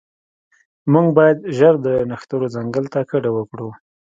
موږ باید ژر د نښترو ځنګل ته کډه وکړو